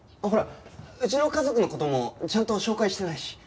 ほらうちの家族の事もちゃんと紹介してないし。